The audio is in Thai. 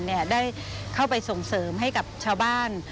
ได้เข้าไปส่งเสริมให้กับชาวบ้าน